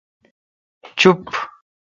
چوپ۔